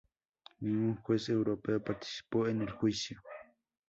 Ningún juez europeo participó en el juicio.